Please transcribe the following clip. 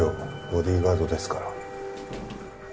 ボディーガードですから。